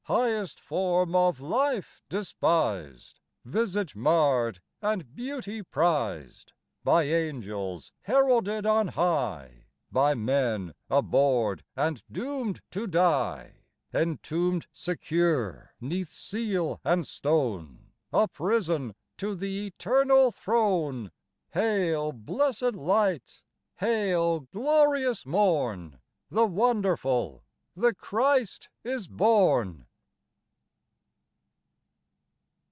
Highest form of life despised; Visage marred, and beauty prized. By angels heralded on high; By men abhorred and doomed to die. Entombed secure 'neath seal and stone; Uprisen to the Eternal Throne! Hail, blessed light! Hail glorious morn! The Wonderful, the Christ is born!